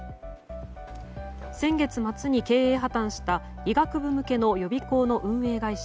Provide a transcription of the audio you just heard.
先月末に経営破綻した医学部向けの予備校の運営会社